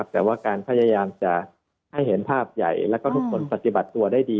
แต่ว่าการพยายามจะให้เห็นภาพใหญ่แล้วก็ทุกคนปฏิบัติตัวได้ดี